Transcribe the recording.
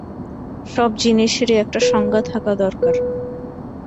সব জিনিসেরই একটা সংজ্ঞা থাকা দরকার।